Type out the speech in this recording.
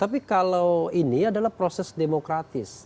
tapi kalau ini adalah proses demokratis